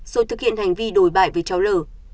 rồi thực hiện hành vi đổi bại với cháu lở